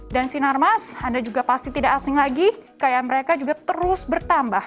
dan sinarmas anda juga pasti tidak asing lagi kaya mereka juga terus bertambah